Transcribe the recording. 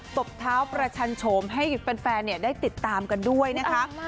ตบเท้าประชันโฉมให้แฟนได้ติดตามกันด้วยนะคะ